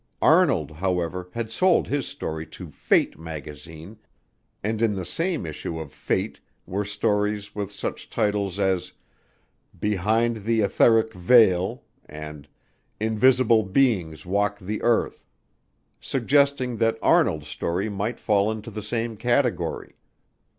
Arnold, however, had sold his story to Fate magazine and in the same issue of Fate were stories with such titles as "Behind the Etheric Veil" and "Invisible Beings Walk the Earth," suggesting that Arnold's story might fall into the same category.